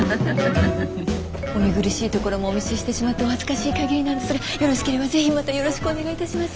お見苦しいところもお見せしてしまってお恥ずかしい限りなんですがよろしければぜひまたよろしくお願いいたします。